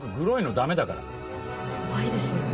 僕、怖いですよね。